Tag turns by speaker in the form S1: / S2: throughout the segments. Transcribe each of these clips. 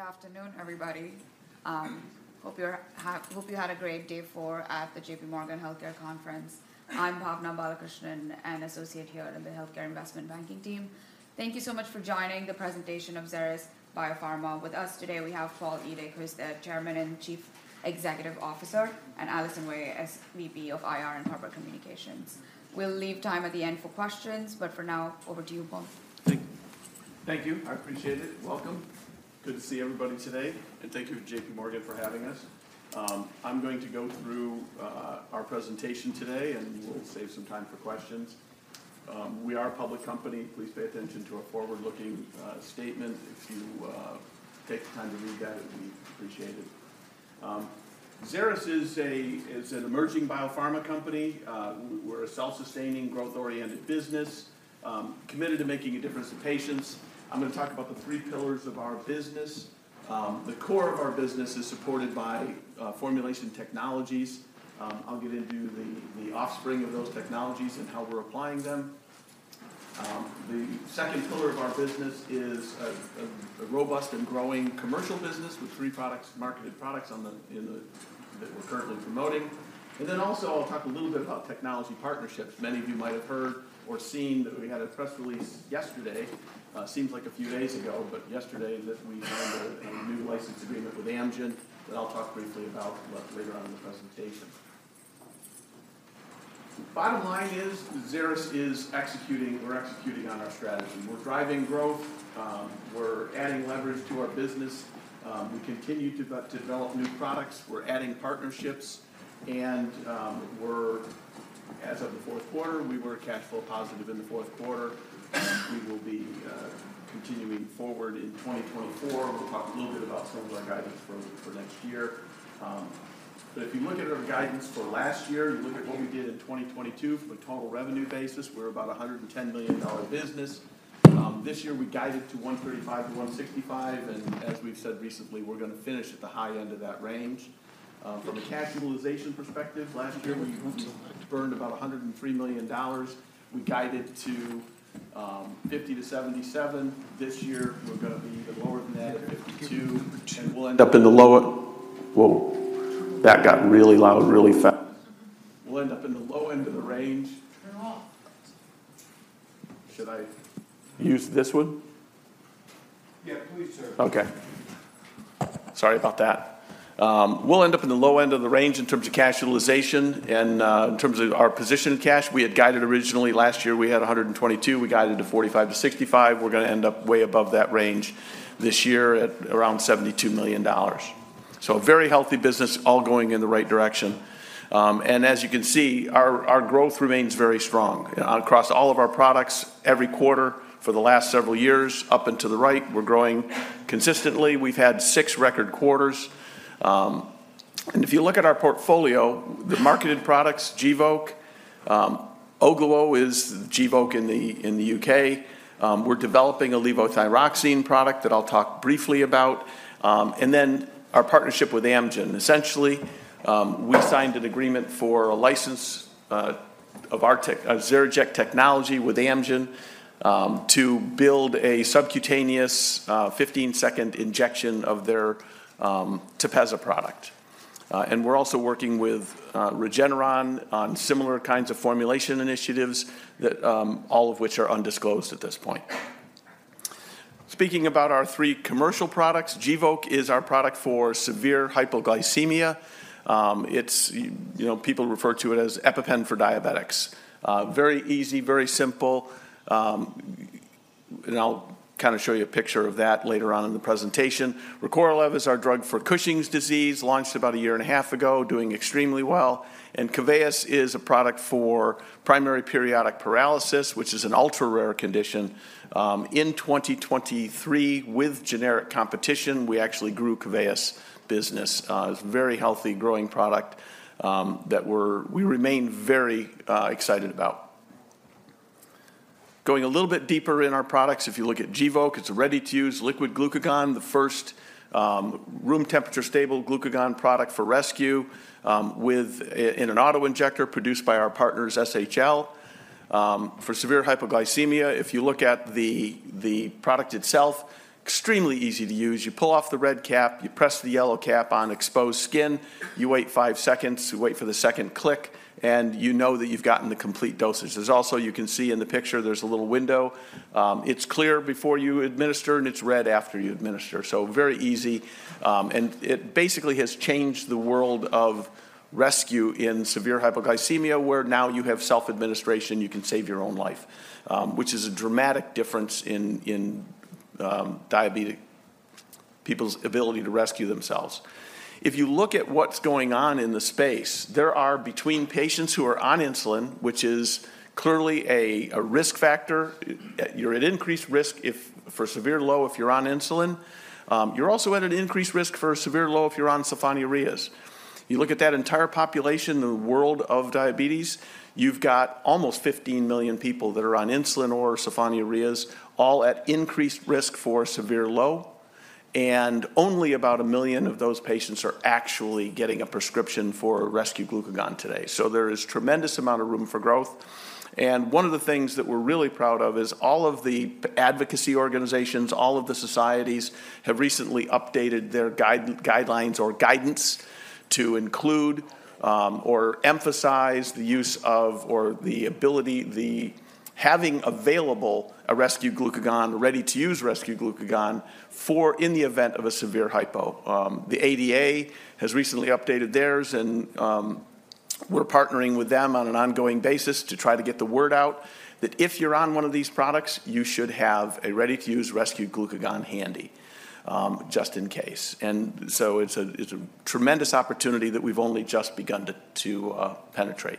S1: Good afternoon, everybody. Hope you had a great day four at the J.P. Morgan Healthcare Conference. I'm Bhavna Balakrishnan, an associate here in the Healthcare Investment Banking team. Thank you so much for joining the presentation of Xeris Biopharma. With us today, we have Paul Edick, who's the Chairman and Chief Executive Officer, and Allison Wey, SVP of IR and Public Communications. We'll leave time at the end for questions, but for now, over to you, Paul.
S2: Thank you. Thank you. I appreciate it. Welcome. Good to see everybody today, and thank you to J.P. Morgan for having us. I'm going to go through our presentation today, and we'll save some time for questions. We are a public company. Please pay attention to our forward-looking statement. If you take the time to read that, it'd be appreciated. Xeris is an emerging biopharma company. We're a self-sustaining, growth-oriented business committed to making a difference to patients. I'm gonna talk about the three pillars of our business. The core of our business is supported by formulation technologies. I'll get into the offspring of those technologies and how we're applying them. The second pillar of our business is a robust and growing commercial business with three products, marketed products that we're currently promoting. Then also, I'll talk a little bit about technology partnerships. Many of you might have heard or seen that we had a press release yesterday, seems like a few days ago, but yesterday, that we had a new license agreement with Amgen, that I'll talk briefly about later on in the presentation. Bottom line is, Xeris is executing, we're executing on our strategy. We're driving growth, we're adding leverage to our business, we continue to develop new products, we're adding partnerships, and, we're. As of the fourth quarter, we were cash flow positive in the fourth quarter. We will be continuing forward in 2024. We'll talk a little bit about some of our guidance for next year. But if you look at our guidance for last year, you look at what we did in 2022 from a total revenue basis, we're about a $110 million business. This year, we guided to $135-$165, and as we've said recently, we're gonna finish at the high end of that range. From a cash utilization perspective, last year, we burned about $103 million. We guided to $50-$77. This year, we're gonna be even lower than that at $52, and we'll end up in the lower- Whoa! That got really loud, really fast. We'll end up in the low end of the range.
S1: Turn it off.
S2: Should I use this one?
S1: Yeah, please, sir.
S2: Okay. Sorry about that. We'll end up in the low end of the range in terms of cash utilization and in terms of our position in cash. We had guided originally. Last year, we had $122 million. We guided to $45 million-$65 million. We're gonna end up way above that range this year at around $72 million. So a very healthy business, all going in the right direction. And as you can see, our growth remains very strong across all of our products every quarter for the last several years. Up and to the right, we're growing consistently. We've had six record quarters. And if you look at our portfolio, the marketed products, Gvoke, Ogluo is Gvoke in the U.K. We're developing a levothyroxine product that I'll talk briefly about, and then our partnership with Amgen. Essentially, we signed an agreement for a license of our XeriJect technology with Amgen to build a subcutaneous 15-second injection of their Tepezza product. We're also working with Regeneron on similar kinds of formulation initiatives that all of which are undisclosed at this point. Speaking about our three commercial products, Gvoke is our product for severe hypoglycemia. It's, you know, people refer to it as EpiPen for diabetics. Very easy, very simple, and I'll kind of show you a picture of that later on in the presentation. Recorlev is our drug for Cushing's disease, launched about a year and a half ago, doing extremely well. Keveyis is a product for primary periodic paralysis, which is an ultra-rare condition. In 2023, with generic competition, we actually grew Keveyis business. It's a very healthy, growing product that we're very excited about. Going a little bit deeper in our products, if you look at Gvoke, it's a ready-to-use liquid glucagon, the first room temperature stable glucagon product for rescue with an auto-injector produced by our partners, SHL. For severe hypoglycemia, if you look at the product itself, extremely easy to use. You pull off the red cap, you press the yellow cap on exposed skin, you wait five seconds, you wait for the second click, and you know that you've gotten the complete dosage. There's also, you can see in the picture, there's a little window. It's clear before you administer, and it's red after you administer, so very easy. It basically has changed the world of rescue in severe hypoglycemia, where now you have self-administration, you can save your own life, which is a dramatic difference in diabetic people's ability to rescue themselves. If you look at what's going on in the space, there are, between patients who are on insulin, which is clearly a risk factor. You're at increased risk for severe low if you're on insulin. You're also at an increased risk for a severe low if you're on sulfonylureas. You look at that entire population, the world of diabetes, you've got almost 15 million people that are on insulin or sulfonylureas, all at increased risk for severe low... and only about one million of those patients are actually getting a prescription for rescue glucagon today. So there is a tremendous amount of room for growth, and one of the things that we're really proud of is all of the advocacy organizations, all of the societies, have recently updated their guidelines or guidance to include, or emphasize the use of, or the ability, the having available a rescue glucagon, ready-to-use rescue glucagon, for in the event of a severe hypo. The ADA has recently updated theirs, and, we're partnering with them on an ongoing basis to try to get the word out that if you're on one of these products, you should have a ready-to-use rescue glucagon handy, just in case. And so it's a tremendous opportunity that we've only just begun to penetrate.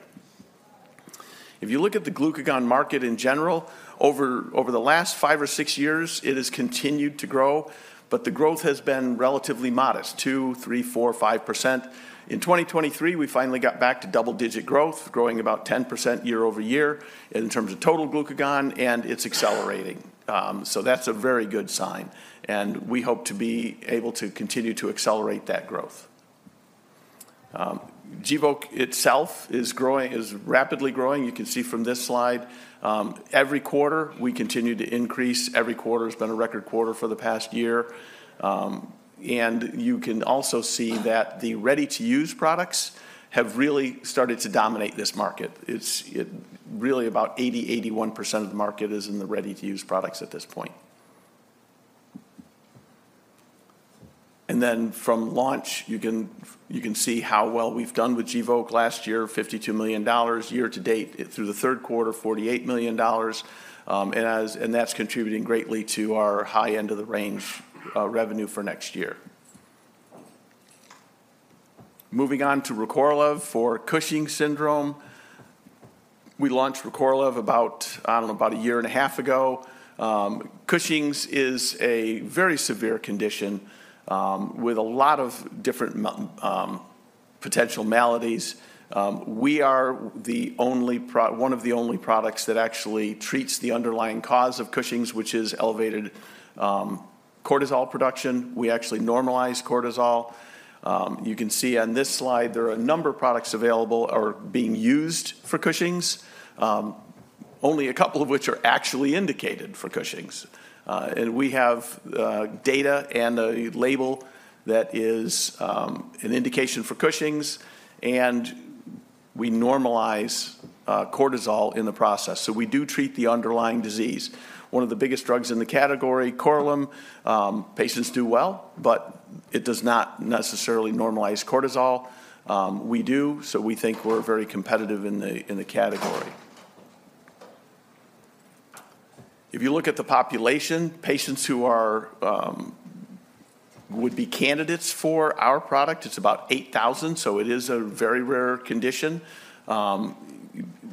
S2: If you look at the glucagon market in general, over the last five or six years, it has continued to grow, but the growth has been relatively modest, 2%-5%. In 2023, we finally got back to double-digit growth, growing about 10% year-over-year in terms of total glucagon, and it's accelerating. So that's a very good sign, and we hope to be able to continue to accelerate that growth. Gvoke itself is rapidly growing. You can see from this slide, every quarter, we continue to increase. Every quarter has been a record quarter for the past year. And you can also see that the ready-to-use products have really started to dominate this market. It really, about 81% of the market is in the ready-to-use products at this point. And then from launch, you can see how well we've done with Gvoke last year, $52 million year to date, through the third quarter, $48 million, and that's contributing greatly to our high end of the range, revenue for next year. Moving on to Recorlev for Cushing's syndrome. We launched Recorlev about, I don't know, about a year and a half ago. Cushing's is a very severe condition, with a lot of different potential maladies. We are the only one of the only products that actually treats the underlying cause of Cushing's, which is elevated cortisol production. We actually normalize cortisol. You can see on this slide, there are a number of products available or being used for Cushing's, only a couple of which are actually indicated for Cushing's. We have data and a label that is an indication for Cushing's, and we normalize cortisol in the process, so we do treat the underlying disease. One of the biggest drugs in the category, Korlym, patients do well, but it does not necessarily normalize cortisol. We do, so we think we're very competitive in the category. If you look at the population, patients would be candidates for our product, it's about 8,000, so it is a very rare condition.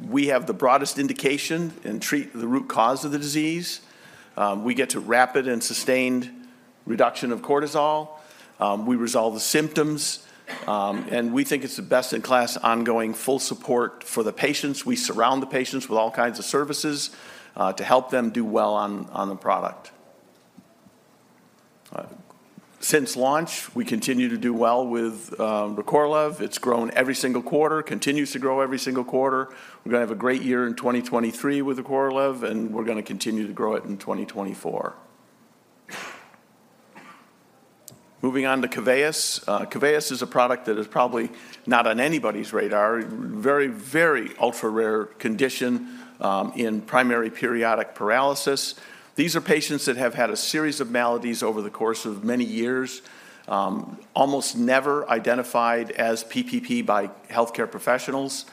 S2: We have the broadest indication and treat the root cause of the disease. We get to rapid and sustained reduction of cortisol. We resolve the symptoms, and we think it's the best-in-class, ongoing, full support for the patients. We surround the patients with all kinds of services to help them do well on, on the product. Since launch, we continue to do well with Recorlev. It's grown every single quarter, continues to grow every single quarter. We're gonna have a great year in 2023 with Recorlev, and we're gonna continue to grow it in 2024. Moving on to Keveyis. Keveyis is a product that is probably not on anybody's radar. Very, very ultra-rare condition in primary periodic paralysis. These are patients that have had a series of maladies over the course of many years, almost never identified as PPP by healthcare professionals.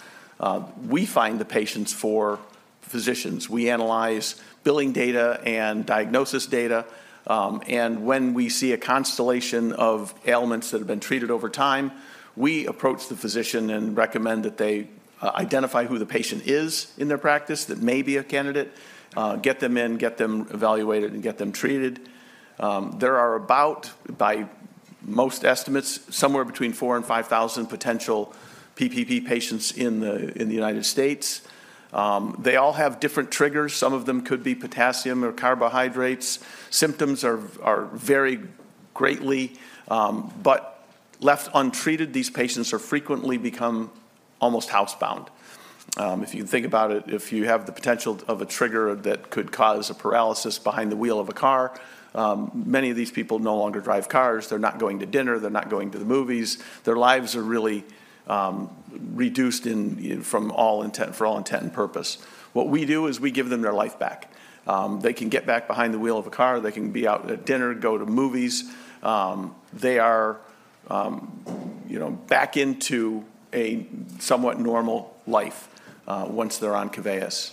S2: We find the patients for physicians. We analyze billing data and diagnosis data, and when we see a constellation of ailments that have been treated over time, we approach the physician and recommend that they, identify who the patient is in their practice that may be a candidate, get them in, get them evaluated, and get them treated. There are about, by most estimates, somewhere between 4,000 and 5,000 potential PPP patients in the United States. They all have different triggers. Some of them could be potassium or carbohydrates. Symptoms vary greatly, but left untreated, these patients are frequently become almost housebound. If you think about it, if you have the potential of a trigger that could cause a paralysis behind the wheel of a car, many of these people no longer drive cars. They're not going to dinner. They're not going to the movies. Their lives are really reduced in from all intents and purposes. What we do is we give them their life back. They can get back behind the wheel of a car. They can be out at dinner, go to movies. They are, you know, back into a somewhat normal life once they're on Keveyis.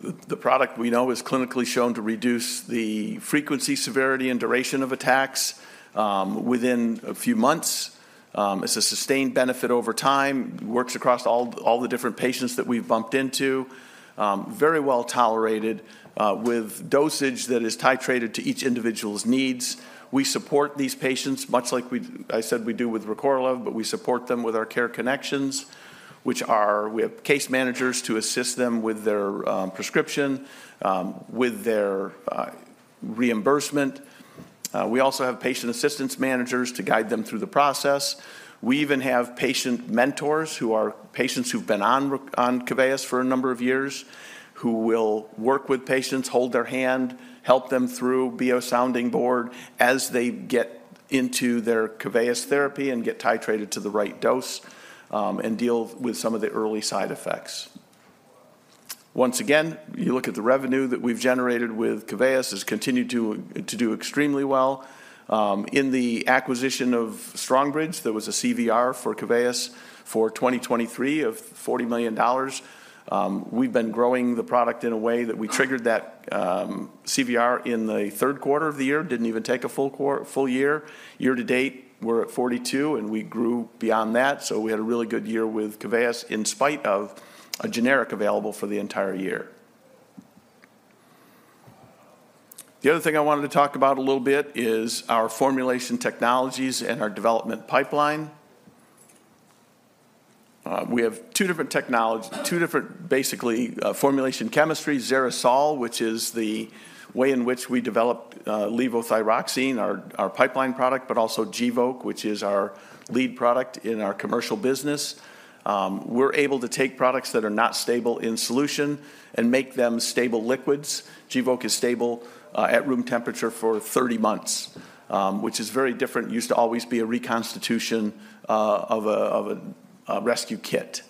S2: The product we know is clinically shown to reduce the frequency, severity, and duration of attacks within a few months. It's a sustained benefit over time, works across all the different patients that we've bumped into. Very well tolerated with dosage that is titrated to each individual's needs. We support these patients, much like I said we do with Recorlev, but we support them with our Care Connections, which are... We have case managers to assist them with their prescription, with their reimbursement. We also have patient assistance managers to guide them through the process. We even have patient mentors who are patients who've been on Keveyis for a number of years, who will work with patients, hold their hand, help them through, be a sounding board as they get into their Keveyis therapy and get titrated to the right dose, and deal with some of the early side effects. Once again, you look at the revenue that we've generated with Keveyis, has continued to do extremely well. In the acquisition of Strongbridge, there was a CVR for Keveyis for 2023 of $40 million. We've been growing the product in a way that we triggered that CVR in the third quarter of the year, didn't even take a full year. Year to date, we're at $42 million, and we grew beyond that, so we had a really good year with Keveyis, in spite of a generic available for the entire year. The other thing I wanted to talk about a little bit is our formulation technologies and our development pipeline. We have two different technologies, two different, basically, formulation chemistry, XeriSol, which is the way in which we develop levothyroxine, our pipeline product, but also Gvoke which is our lead product in our commercial business. We're able to take products that are not stable in solution and make them stable liquids. Gvoke is stable at room temperature for 30 months, which is very different. Used to always be a reconstitution of a rescue kit.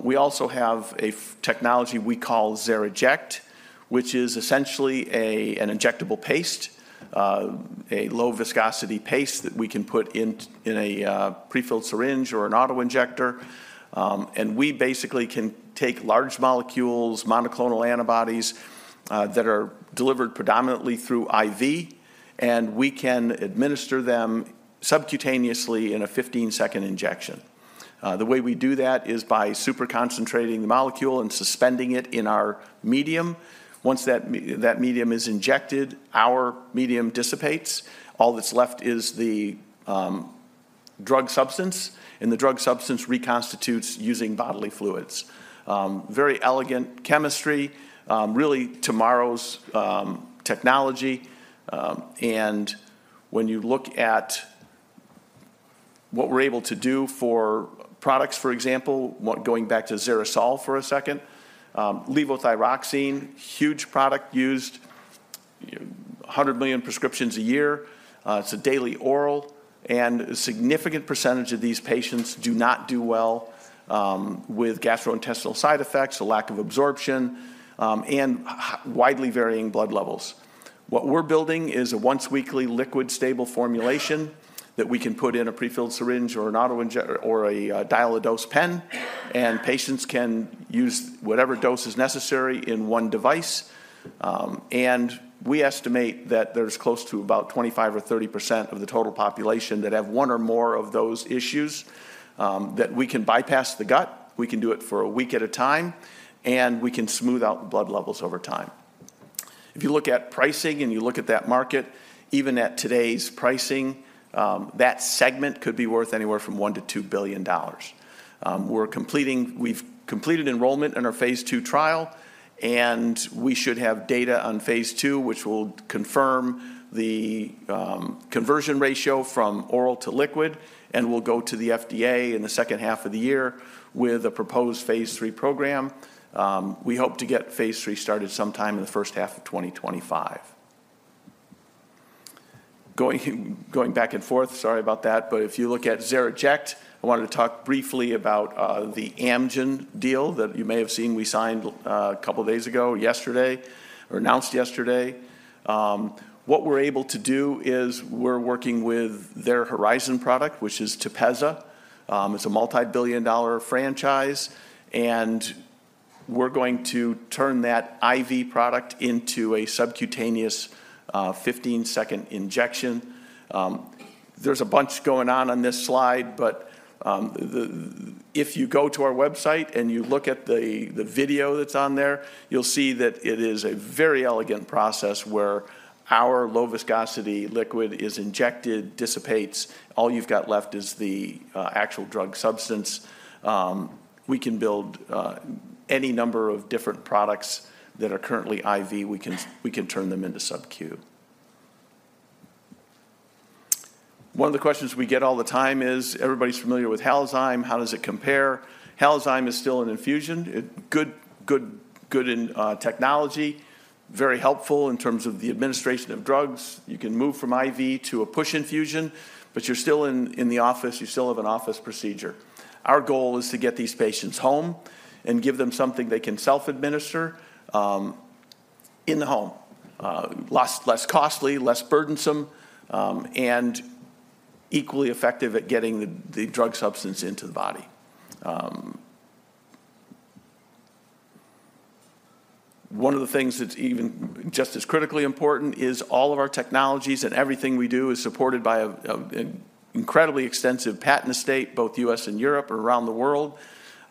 S2: We also have a technology we call XeriJect, which is essentially a, an injectable paste, a low viscosity paste that we can put into a prefilled syringe or an auto injector. And we basically can take large molecules, monoclonal antibodies, that are delivered predominantly through IV, and we can administer them subcutaneously in a 15-second injection. The way we do that is by super concentrating the molecule and suspending it in our medium. Once that medium is injected, our medium dissipates. All that's left is the drug substance, and the drug substance reconstitutes using bodily fluids. Very elegant chemistry, really tomorrow's technology. When you look at what we're able to do for products, for example, going back to XeriSol for a second, levothyroxine, huge product, used 100 million prescriptions a year. It's a daily oral, and a significant percentage of these patients do not do well with gastrointestinal side effects, a lack of absorption, and widely varying blood levels. What we're building is a once-weekly liquid-stable formulation that we can put in a prefilled syringe or an auto-injector or a dial-a-dose pen, and patients can use whatever dose is necessary in one device. And we estimate that there's close to about 25 or 30% of the total population that have one or more of those issues, that we can bypass the gut, we can do it for a week at a time, and we can smooth out the blood levels over time. If you look at pricing, and you look at that market, even at today's pricing, that segment could be worth anywhere from $1-$2 billion. We've completed enrollment in our Phase 2 trial, and we should have data on Phase 2, which will confirm the conversion ratio from oral to liquid, and we'll go to the FDA in the second half of the year with a proposed Phase 3 program. We hope to get Phase 3 started sometime in the first half of 2025. Going, going back and forth, sorry about that, but if you look at XeriJect, I wanted to talk briefly about the Amgen deal that you may have seen we signed a couple of days ago, yesterday, or announced yesterday. What we're able to do is we're working with their Horizon product, which is TEPEZZA. It's a multi-billion-dollar franchise, and we're going to turn that IV product into a subcutaneous 15-second injection. There's a bunch going on on this slide, but if you go to our website and you look at the video that's on there, you'll see that it is a very elegant process where our low viscosity liquid is injected, dissipates, all you've got left is the actual drug substance. We can build any number of different products that are currently IV. We can turn them into sub-Q. One of the questions we get all the time is, everybody's familiar with Halozyme. How does it compare? Halozyme is still an infusion. It's good in technology, very helpful in terms of the administration of drugs. You can move from IV to a push infusion, but you're still in the office. You still have an office procedure. Our goal is to get these patients home and give them something they can self-administer in the home. Less costly, less burdensome, and equally effective at getting the drug substance into the body. One of the things that's even just as critically important is all of our technologies and everything we do is supported by an incredibly extensive patent estate, both U.S. and Europe, around the world.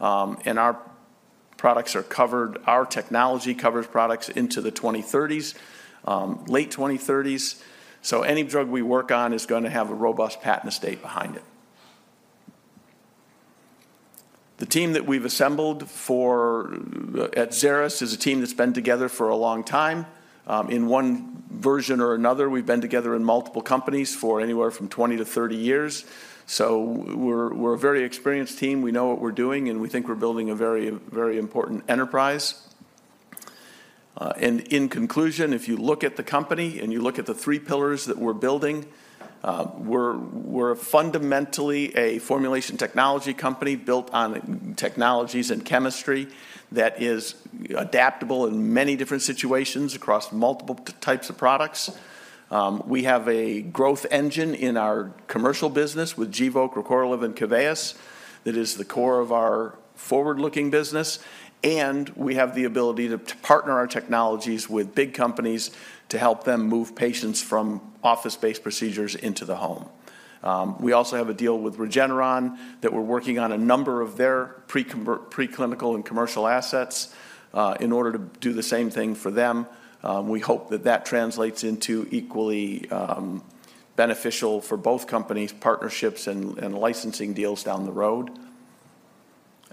S2: And our products are covered, our technology covers products into the 2030s, late 2030s. So any drug we work on is gonna have a robust patent estate behind it. The team that we've assembled for at Xeris is a team that's been together for a long time. In one version or another, we've been together in multiple companies for anywhere from 20 to 30 years. So we're, we're a very experienced team. We know what we're doing, and we think we're building a very, very important enterprise. And in conclusion, if you look at the company, and you look at the three pillars that we're building, we're fundamentally a formulation technology company built on technologies and chemistry that is adaptable in many different situations across multiple types of products. We have a growth engine in our commercial business with Gvoke, Recorlev, and Keveyis. That is the core of our forward-looking business, and we have the ability to partner our technologies with big companies to help them move patients from office-based procedures into the home. We also have a deal with Regeneron, that we're working on a number of their preclinical and commercial assets, in order to do the same thing for them. We hope that that translates into equally beneficial for both companies, partnerships, and licensing deals down the road.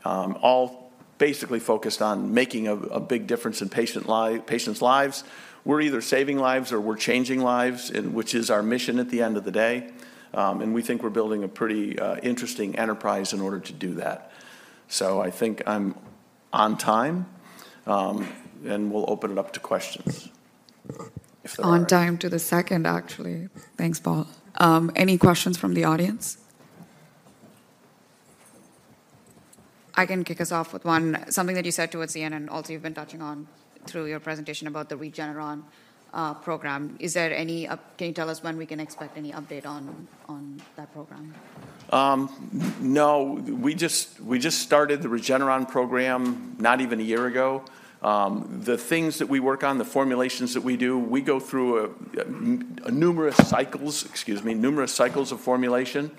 S2: All basically focused on making a big difference in patients' lives. We're either saving lives or we're changing lives, and which is our mission at the end of the day. And we think we're building a pretty interesting enterprise in order to do that. So I think I'm on time, and we'll open it up to questions.
S1: On time to the second, actually. Thanks, Paul. Any questions from the audience? I can kick us off with one. Something that you said towards the end, and also you've been touching on through your presentation about the Regeneron program. Is there any? Can you tell us when we can expect any update on that program?
S2: No, we just started the Regeneron program not even a year ago. The things that we work on, the formulations that we do, we go through numerous cycles, excuse me, numerous cycles of formulation.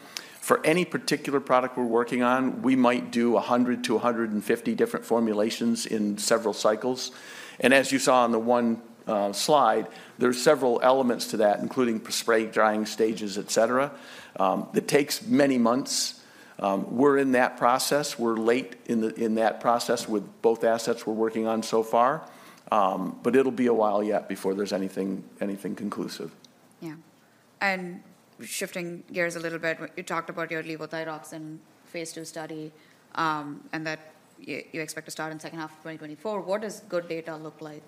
S2: For any particular product we're working on, we might do 100-150 different formulations in several cycles. And as you saw on the one slide, there are several elements to that, including spray drying stages, et cetera, that takes many months. We're in that process. We're late in that process with both assets we're working on so far, but it'll be a while yet before there's anything conclusive.
S1: Yeah. And shifting gears a little bit, you talked about your levothyroxine Phase II study, and that you expect to start in the second half of 2024. What does good data look like?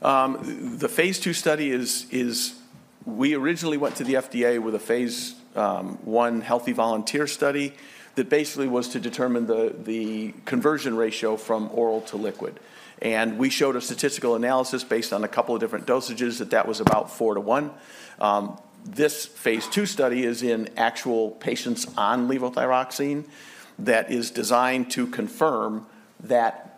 S2: The Phase II study is. We originally went to the FDA with a Phase I healthy volunteer study that basically was to determine the conversion ratio from oral to liquid. We showed a statistical analysis based on a couple of different dosages, that that was about 4-to-1. This Phase II study is in actual patients on levothyroxine that is designed to confirm that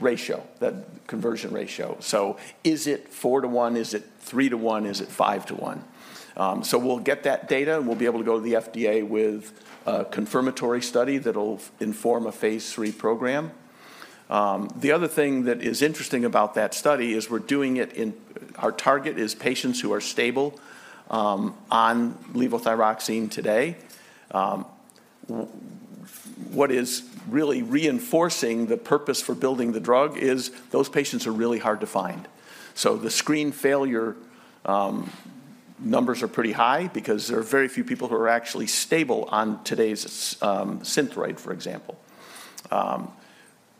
S2: ratio, that conversion ratio. So is it 4-to-1? Is it 3-to-1? Is it 5-to-1? So we'll get that data, and we'll be able to go to the FDA with a confirmatory study that'll inform a Phase III program. The other thing that is interesting about that study is we're doing it in. Our target is patients who are stable on levothyroxine today. What is really reinforcing the purpose for building the drug is those patients are really hard to find. So the screen failure numbers are pretty high because there are very few people who are actually stable on today's Synthroid, for example,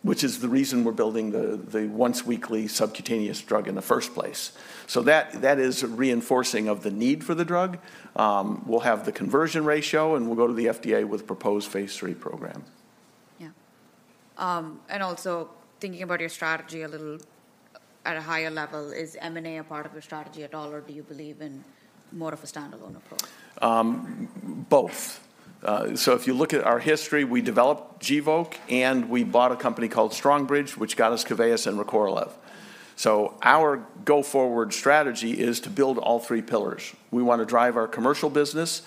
S2: which is the reason we're building the once weekly subcutaneous drug in the first place. So that is reinforcing of the need for the drug. We'll have the conversion ratio, and we'll go to the FDA with proposed Phase III program.
S1: Yeah. And also thinking about your strategy a little at a higher level, is M&A a part of your strategy at all, or do you believe in more of a standalone approach?
S2: Both. So if you look at our history, we developed Gvoke, and we bought a company called Strongbridge, which got us Keveyis and Recorlev. So our go-forward strategy is to build all three pillars. We want to drive our commercial business.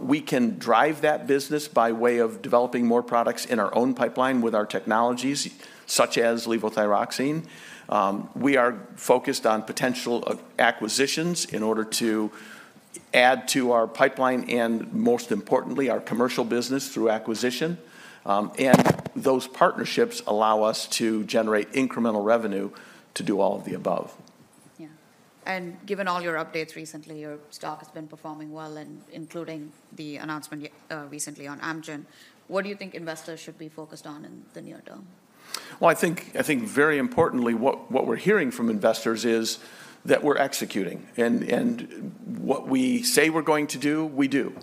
S2: We can drive that business by way of developing more products in our own pipeline with our technologies, such as levothyroxine. We are focused on potential acquisitions in order to add to our pipeline and most importantly, our commercial business through acquisition. And those partnerships allow us to generate incremental revenue to do all of the above.
S1: Yeah. And given all your updates recently, your stock has been performing well, and including the announcement recently on Amgen. What do you think investors should be focused on in the near term?
S2: Well, I think very importantly, what we're hearing from investors is that we're executing, and what we say we're going to do, we do.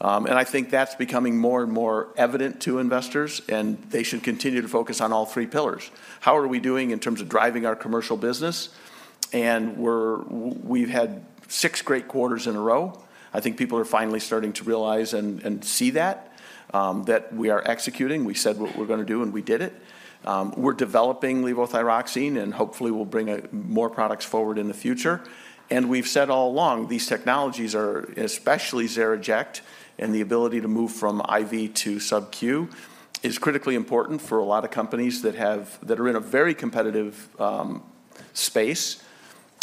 S2: I think that's becoming more and more evident to investors, and they should continue to focus on all three pillars. How are we doing in terms of driving our commercial business? We've had six great quarters in a row. I think people are finally starting to realize and see that we are executing. We said what we're gonna do, and we did it. We're developing levothyroxine, and hopefully, we'll bring more products forward in the future. We've said all along, these technologies are, especially XeriJect, and the ability to move from IV to sub-Q, is critically important for a lot of companies that have that are in a very competitive space.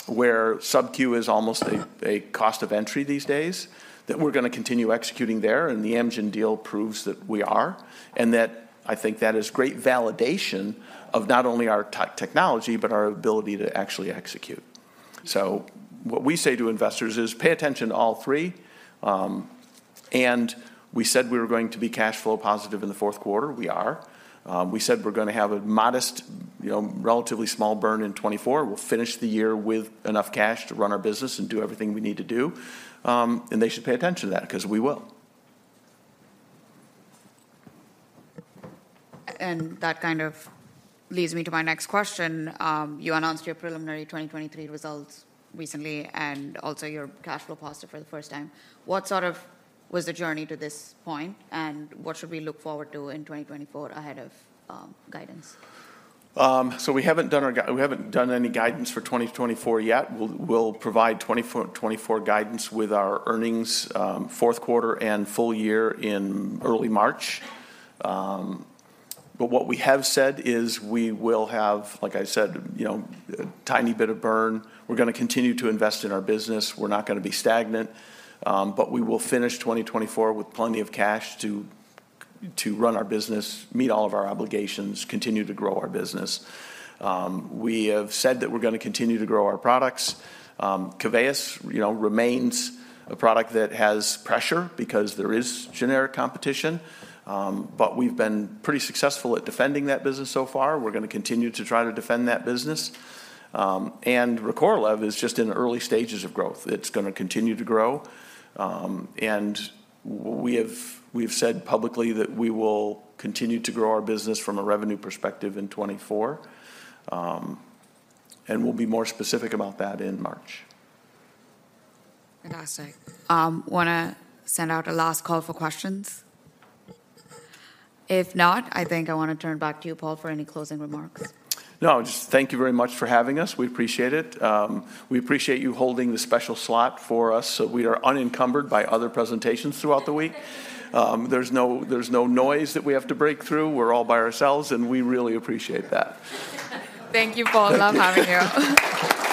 S2: where sub-Q is almost a cost of entry these days, that we're gonna continue executing there, and the Amgen deal proves that we are, and that I think that is great validation of not only our technology, but our ability to actually execute. So what we say to investors is, "Pay attention to all three." And we said we were going to be cash flow positive in the fourth quarter, we are. We said we're gonna have a modest, you know, relatively small burn in 2024. We'll finish the year with enough cash to run our business and do everything we need to do. And they should pay attention to that, 'cause we will.
S1: That kind of leads me to my next question. You announced your preliminary 2023 results recently, and also your cash flow positive for the first time. What sort of was the journey to this point, and what should we look forward to in 2024 ahead of guidance?
S2: So we haven't done any guidance for 2024 yet. We'll provide 2024 guidance with our earnings fourth quarter and full year in early March. But what we have said is we will have, like I said, you know, a tiny bit of burn. We're gonna continue to invest in our business. We're not gonna be stagnant. But we will finish 2024 with plenty of cash to run our business, meet all of our obligations, continue to grow our business. We have said that we're gonna continue to grow our products. Keveyis, you know, remains a product that has pressure because there is generic competition. But we've been pretty successful at defending that business so far. We're gonna continue to try to defend that business. And Recorlev is just in the early stages of growth. It's gonna continue to grow. And we have, we've said publicly that we will continue to grow our business from a revenue perspective in 2024. And we'll be more specific about that in March.
S1: Fantastic. Wanna send out a last call for questions? If not, I think I wanna turn it back to you, Paul, for any closing remarks.
S2: No, just thank you very much for having us. We appreciate it. We appreciate you holding this special slot for us, so we are unencumbered by other presentations throughout the week. There's no noise that we have to break through. We're all by ourselves, and we really appreciate that.
S1: Thank you, Paul. I love having you.